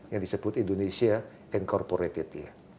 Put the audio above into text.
yang disebut indonesia incorporated